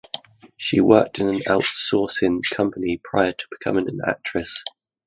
She worked in an outsourcing company prior to becoming an actress.